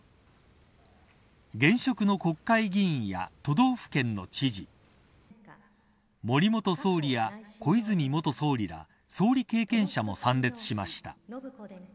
現職の国会議員や都道府県の知事森元総理や小泉元総理ら総理経験者も参列しました。